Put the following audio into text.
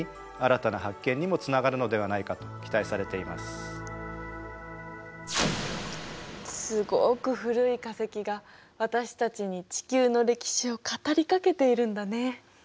このようなすごく古い化石が私たちに地球の歴史を語りかけているんだね。